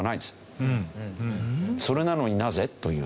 それなのになぜ？という。